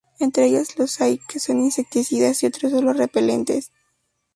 Entre ellos los hay que son insecticidas y otros sólo repelentes